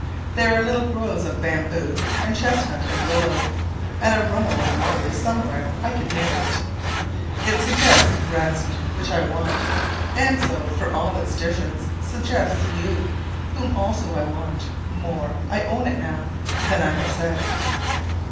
There are little groves of bamboo and chestnut and willow; and a runnel of water is somewhere I can hear it. It suggests rest, which I want; and so, for all its difference, suggests you, whom also I want, more, I own it now, than I have said!